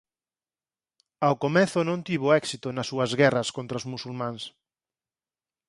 Ao comezo non tivo éxito nas súas guerras contra os musulmáns.